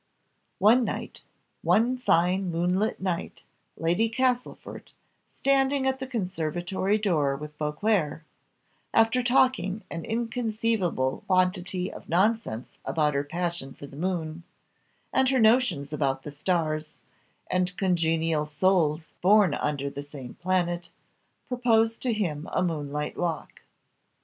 One night one fine moonlight night Lady Castlefort, standing at the conservatory door with Beauclerc, after talking an inconceivable quantity of nonsense about her passion for the moon, and her notions about the stars, and congenial souls born under the same planet, proposed to him a moonlight walk.